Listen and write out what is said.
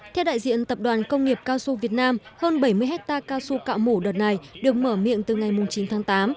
theo đại diện tập đoàn công nghiệp cao su việt nam hơn bảy mươi hectare cao su cạo mủ đợt này được mở miệng từ ngày chín tháng tám